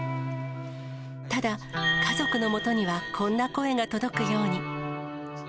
ただ、家族のもとにはこんな声が届くように。